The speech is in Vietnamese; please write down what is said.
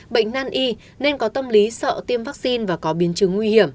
bệnh năn y nên có tâm lý sợ tiêm vaccine và có biến chứng